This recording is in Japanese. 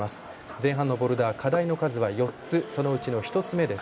前半のボルダー課題の数は４つそのうちの１つ目。